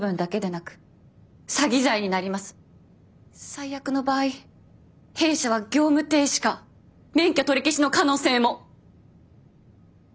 最悪の場合弊社は業務停止か免許取り消しの可能性も！